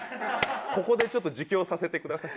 ここでちょっと自供させてください。